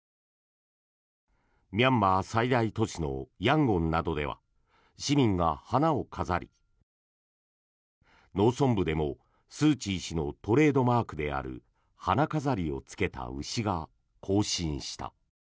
ミャンマー最大都市のヤンゴンなどでは市民が花を飾り農村部でもスーチー氏のトレードマークである花飾りをつけた牛が行進した。